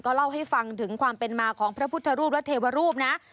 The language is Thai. เล่าให้ฟังถึงความเป็นมาของพระพุทธรูปและเทวรูปนะ